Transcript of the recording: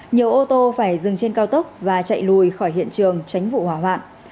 nhiều ô tô phải dừng trên cao tốc và chạy lùi khỏi hiện trường tránh vụ hỏa hoạn